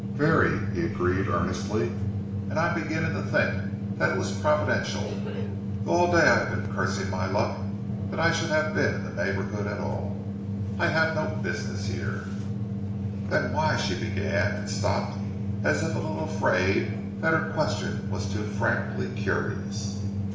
"Very," he agreed earnestly, "and I am beginning to think that it was providential; though all day I have been cursing my luck that I should have been in this neighbourhood at all. I have no business here." "Then why " she began, and stopped as if a little afraid that her question was too frankly curious.